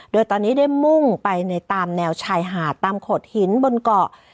โดยตอนนี้ได้มุ่งไปในตามแนวชายหาดตามโขดหินบนเกาะ